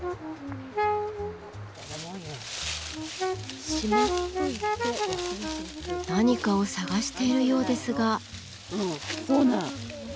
何かを探しているようですが。